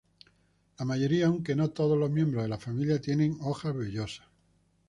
La mayoría, aunque no todos los miembros de la familia, tiene hojas vellosas.